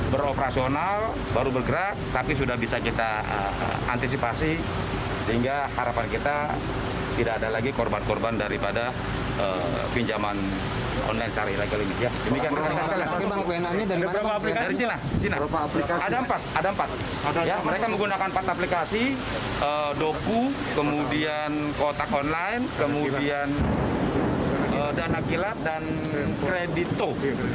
doku kotak online dana kilat dan kredito